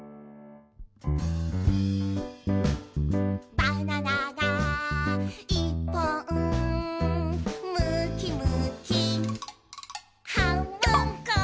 「バナナがいっぽん」「むきむきはんぶんこ！」